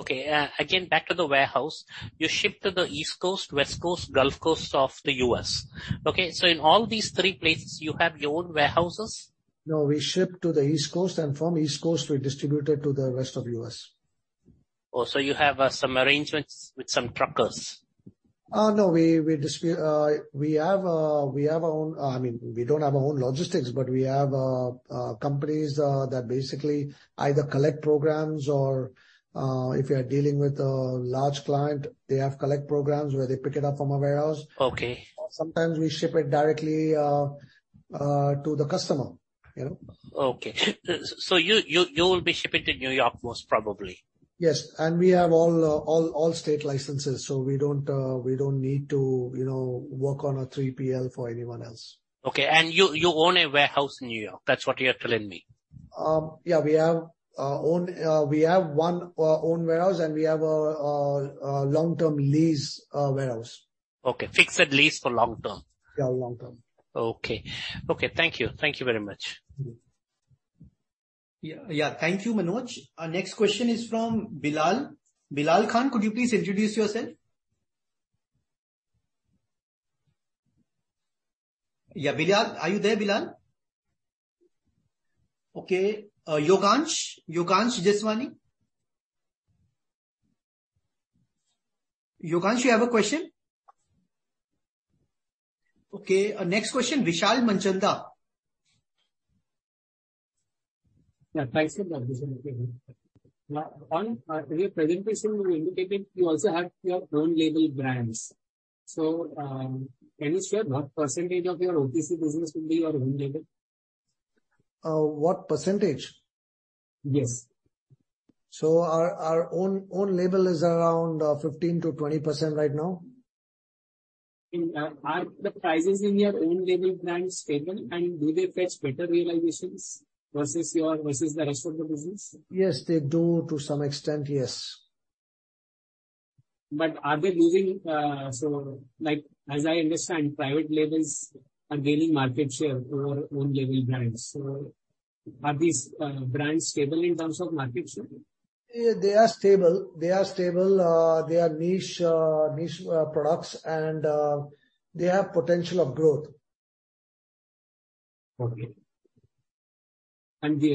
Okay. again, back to the warehouse. You ship to the East Coast, West Coast, Gulf Coast of the U.S. Okay, in all these three places, you have your own warehouses? No, we ship to the East Coast, and from East Coast, we distribute it to the rest of U.S. You have some arrangements with some truckers? No, we have our own, I mean, we don't have our own logistics, but we have companies that basically either collect programs or, if you are dealing with a large client, they have collect programs where they pick it up from a warehouse. Okay. Sometimes we ship it directly to the customer, you know. Okay. You will be shipping to New York most probably? Yes. We have all state licenses, so we don't need to, you know, work on a 3PL for anyone else. Okay. You own a warehouse in New York. That's what you're telling me? Yeah, we have own, we have one own warehouse, and we have a long-term lease warehouse. Okay. Fixed lease for long term. Yeah, long term. Okay. Okay, thank you. Thank you very much. Mm-hmm. Yeah. Yeah. Thank you, Manoj. Our next question is from Bilal. Bilal Khan, could you please introduce yourself? Yeah, Bilal. Are you there, Bilal? Okay, Yogansh. Yogansh Jeswani. Yogansh, you have a question? Okay, next question, Vishal Manchanda. Thanks for the presentation, Anupam. On your presentation, you indicated you also have your own label brands. Can you share what percentage of your OTC business will be your own label? What percentage? Yes. Our own label is around 15%-20% right now. Are the prices in your own label brands stable, and do they fetch better realizations versus the rest of the business? Yes, they do to some extent, yes. like, as I understand, private labels are gaining market share over own label brands. Are these brands stable in terms of market share? They are stable. They are niche products and, they have potential of growth. Okay. Which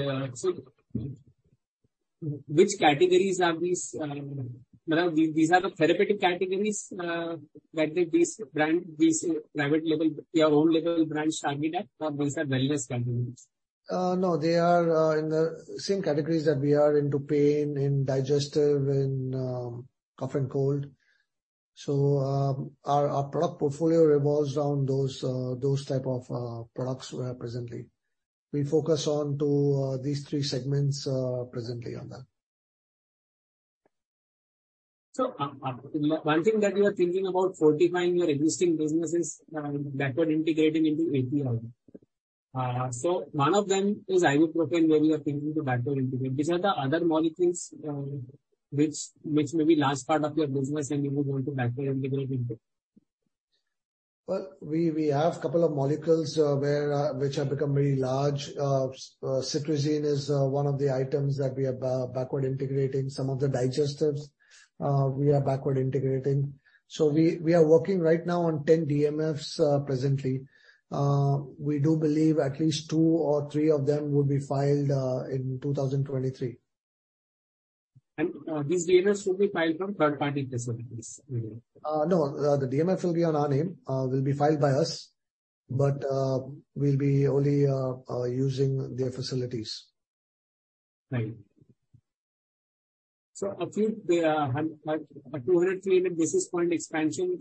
categories are these, you know, these are the therapeutic categories, that the private label or own label brands target at, or those are wellness categories? No, they are in the same categories that we are into pain, in digestive, in cough and cold. Our product portfolio revolves around those type of products we have presently. We focus on to these three segments presently on that. One thing that you are thinking about fortifying your existing business is backward integrating into API. One of them is Ibuprofen, where you are thinking to backward integrate. Which are the other molecules, which may be large part of your business and you will want to backward integrate into? Well, we have couple of molecules where which have become very large. Cetirizine is one of the items that we are backward integrating. Some of the digestives, we are backward integrating. We are working right now on 10 DMFs presently. We do believe at least two or three of them will be filed in 2023. These DMFs will be filed from third-party facilities? No, the DMF will be on our name, will be filed by us, but we'll be only using their facilities. Right. A 200 basis point expansion,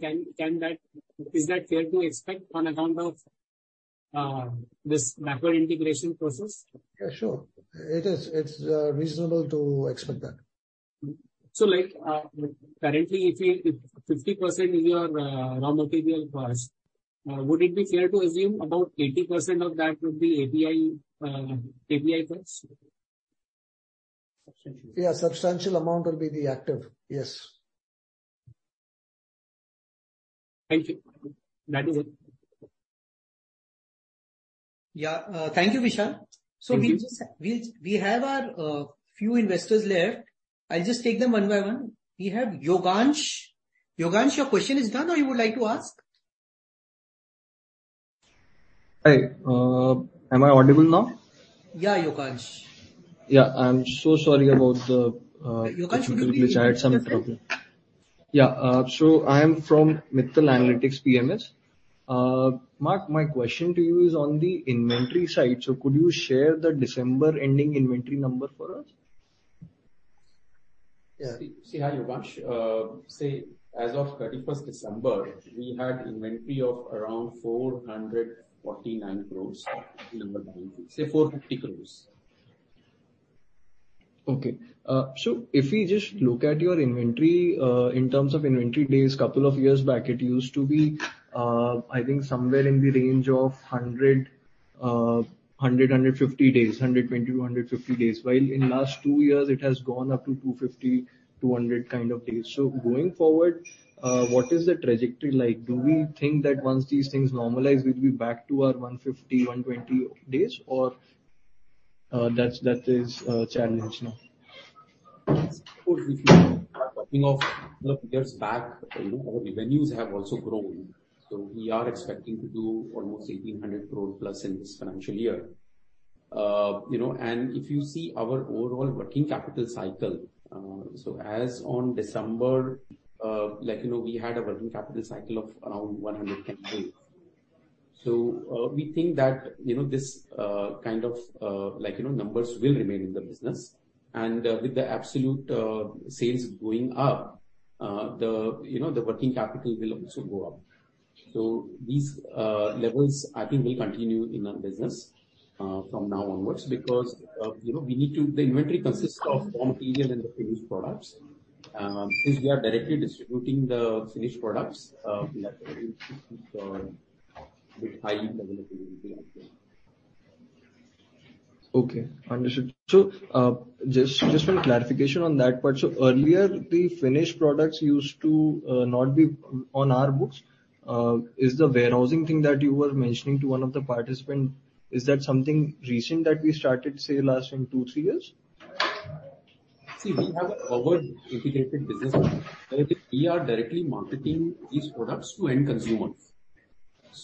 is that fair to expect on account of this backward integration process? Yeah, sure. It is. It's reasonable to expect that. like, currently if 50% is your raw material cost, would it be fair to assume about 80% of that would be API costs? Substantial. Yeah, substantial amount will be the active. Yes. Thank you. That is it. Yeah. Thank you, Vishal. Thank you. We have our few investors left. I'll just take them one by one. We have Yogansh. Yogansh, your question is done or you would like to ask? Hi. Am I audible now? Yeah, Yogansh. Yeah. I'm so sorry about the. Yogansh, could you please unmute yourself. ...which I had some problem. I am from Mittal Analytics PMS. Mark, my question to you is on the inventory side. Could you share the December ending inventory number for us? Yeah. See, hi, Yogansh. See, as of 31st December, we had inventory of around 449 crores. Say 450 crores. Okay. If we just look at your inventory, in terms of inventory days, 2 years back, it used to be, I think somewhere in the range of 100, 150 days, 120-150 days. In last 2 years it has gone up to 250, 200 kind of days. Going forward, what is the trajectory like? Do we think that once these things normalize, we'll be back to our 150, 120 days or, that is, challenged now? are talking of couple of years back, you know, our revenues have also grown. We are expecting to do almost 1,800 crore plus in this financial year. you know, if you see our overall working capital cycle, as on December, like, you know, we had a working capital cycle of around 110 days. We think that, you know, this kind of, like, you know, numbers will remain in the business. With the absolute sales going up, the, you know, the working capital will also go up. These levels I think will continue in our business, from now onwards because, you know, we need to. The inventory consists of raw material and the finished products. Since we are directly distributing the finished products, it keeps bit high availability will be out there. Okay, understood. Just one clarification on that part. Earlier, the finished products used to not be on our books. Is the warehousing thing that you were mentioning to one of the participant, is that something recent that we started, say, last one, two, three years? We have a forward integrated business model. We are directly marketing these products to end consumers.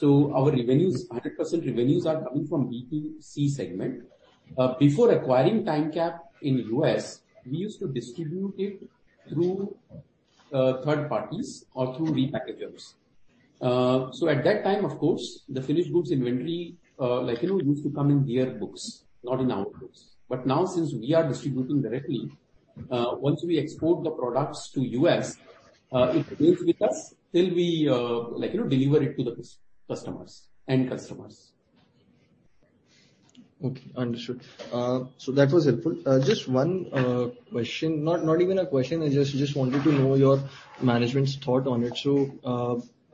Our revenues, 100% revenues are coming from B2C segment. Before acquiring Time-Cap in U.S., we used to distribute it through third parties or through repackagers. At that time of course, the finished goods inventory, like, you know, used to come in their books, not in our books. Now since we are distributing directly, once we export the products to U.S., it stays with us till we, like, you know, deliver it to the customers, end customers. Okay, understood. That was helpful. Just one question. Not even a question, I just wanted to know your management's thought on it.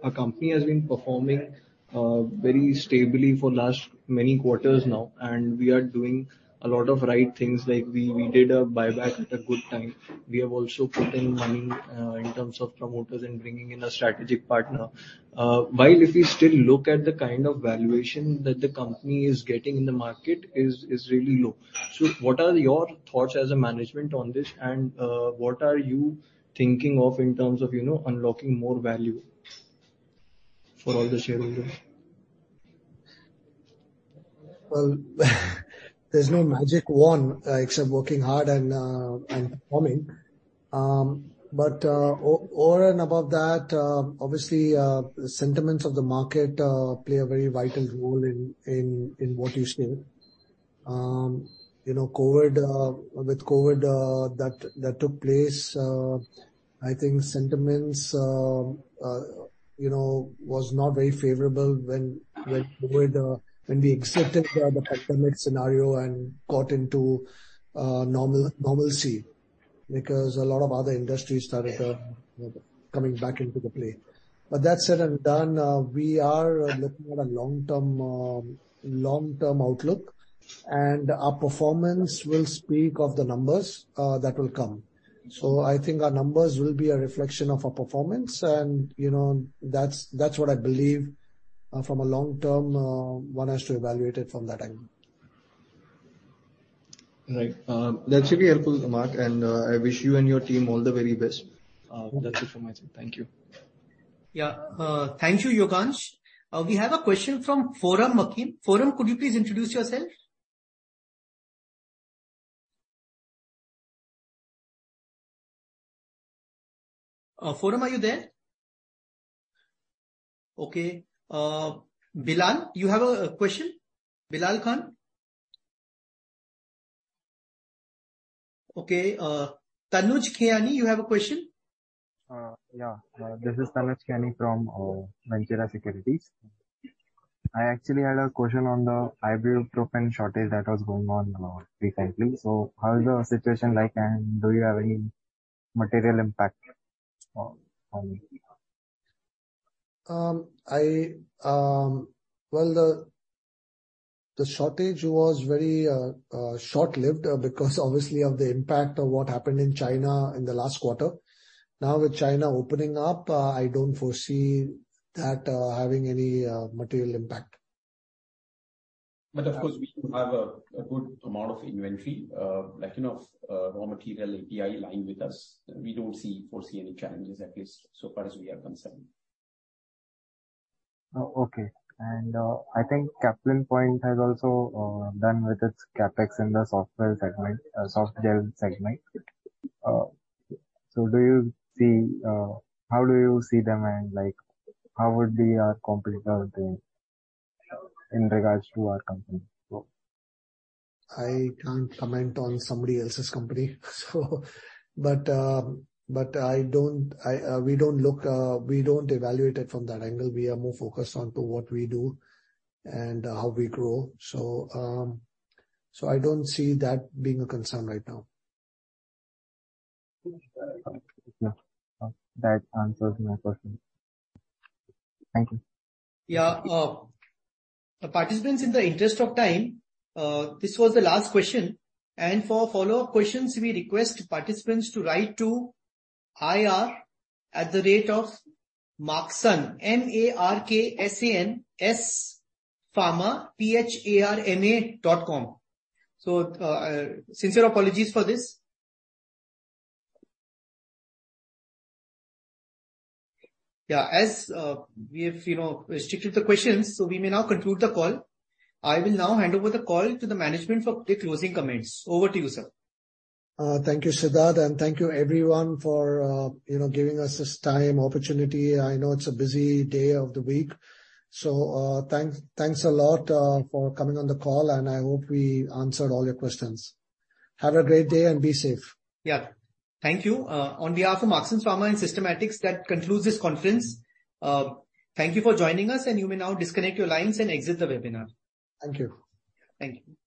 Our company has been performing very stably for last many quarters now, and we are doing a lot of right things like we did a buyback at a good time. We have also put in money in terms of promoters and bringing in a strategic partner. While if we still look at the kind of valuation that the company is getting in the market is really low. What are your thoughts as a management on this and what are you thinking of in terms of, you know, unlocking more value for all the shareholders? Well, there's no magic wand, except working hard and performing. Over and above that, obviously, sentiments of the market play a very vital role in what you say. You know, COVID, with COVID, that took place, I think sentiments, you know, was not very favorable when COVID, when we accepted the pandemic scenario and got into normalcy. A lot of other industries started coming back into the play. That said and done, we are looking at a long-term, long-term outlook, and our performance will speak of the numbers that will come. I think our numbers will be a reflection of our performance and, you know, that's what I believe, from a long-term, one has to evaluate it from that angle. Right. That should be helpful, Mark, and I wish you and your team all the very best. That's it from my side. Thank you. Yeah. Thank you, Yogansh. We have a question from Forum Makim. Forum, could you please introduce yourself? Forum, are you there? Okay, Bilal, you have a question? Bilal Khan? Okay, Tanuj Khiyani, you have a question? Yeah. This is Tanuj Khiyani from Ventura Securities. I actually had a question on the Ibuprofen shortage that was going on recently. How is the situation like and do you have any material impact on you? Well, the shortage was very short-lived because obviously of the impact of what happened in China in the last quarter. With China opening up, I don't foresee that having any material impact. Of course, we do have a good amount of inventory, like, you know, raw material API lying with us. We don't see, foresee any challenges, at least so far as we are concerned. Oh, okay. I think Caplin Point has also done with its CapEx in the soft gel segment, soft gel segment. How do you see them and, like, how would they compare to, in regards to our company? I can't comment on somebody else's company. I don't. We don't look, we don't evaluate it from that angle. We are more focused onto what we do and how we grow. I don't see that being a concern right now. Yeah. That answers my question. Thank you. Yeah. participants, in the interest of time, this was the last question. For follow-up questions, we request participants to write to ir@marksanspharma.com. M-A-R-K-S-A-N-S Pharma, P-H-A-R-M-A dot com. Sincere apologies for this. Yeah. As we have, you know, restricted the questions, so we may now conclude the call. I will now hand over the call to the management for the closing comments. Over to you, sir. Thank you, Siddharth, and thank you everyone for, you know, giving us this time, opportunity. I know it's a busy day of the week. Thanks a lot for coming on the call. I hope we answered all your questions. Have a great day and be safe. Yeah. Thank you. On behalf of Marksans Pharma and Systematix, that concludes this conference. Thank you for joining us, and you may now disconnect your lines and exit the webinar. Thank you. Thank you.